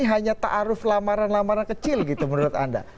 ini hanya ta'aruf lamaran lamaran kecil gitu menurut anda